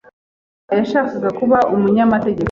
Shema yashakaga kuba umunyamategeko.